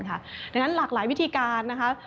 ดังนั้นหลากหลายวิธีการนะคะ